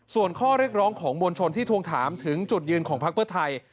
ส่วนข้อเรียกร้องของมวลชนที่ทวงถามถึงจุดยืนของพักเพื่อไทย